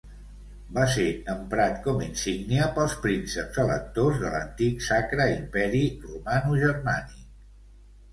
Va ser emprat com insígnia pels prínceps electors de l'antic Sacre Imperi Romanogermànic.